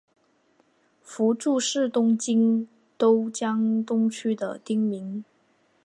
福住是东京都江东区的町名。